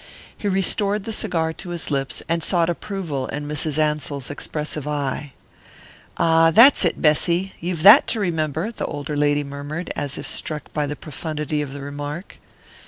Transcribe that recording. He restored the cigar to his lips, and sought approval in Mrs. Ansell's expressive eye. "Ah, that's it, Bessy. You've that to remember," the older lady murmured, as if struck by the profundity of the remark.